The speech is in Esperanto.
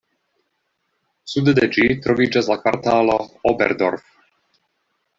Sude de ĝi troviĝas la kvartalo Oberdorf.